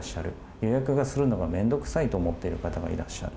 予約がするのが面倒くさいと思っている方がいらっしゃる。